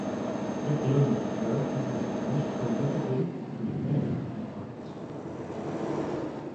It blooms throughout the year most prolifically between May and August.